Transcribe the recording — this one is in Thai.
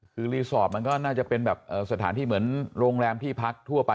คือรีสอร์ทมันก็น่าจะเป็นแบบสถานที่เหมือนโรงแรมที่พักทั่วไป